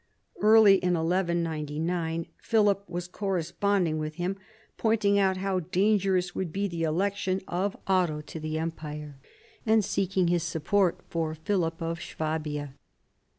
Early in 1199 Philip was corresponding with him, pointing out how dangerous would be the election of Otto to the empire, and seeking his support for Philip of Swabia.